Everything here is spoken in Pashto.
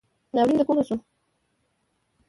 ناورین دکومه شو